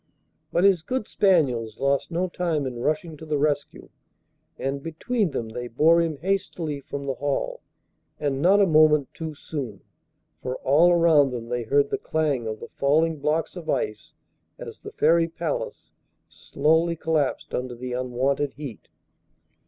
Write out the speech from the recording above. But his good spaniels lost no time in rushing to the rescue, and between them they bore him hastily from the hall, and not a moment too soon, for all around them they heard the clang of the falling blocks of ice as the Fairy Palace slowly collapsed under the unwonted heat.